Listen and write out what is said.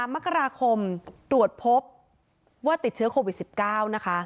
มกราคมตรวจพบว่าติดเชื้อโควิด๑๙นะคะ